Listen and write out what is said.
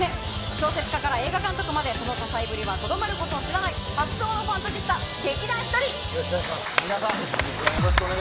小説家から映画監督までその多才ぶりはとどまることを知らない発想のファンタジスタ劇団ひとり。